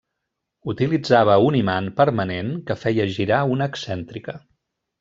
Utilitzava un imant permanent que feia girar una excèntrica.